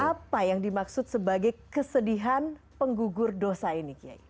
apa yang dimaksud sebagai kesedihan penggugur dosa ini kiai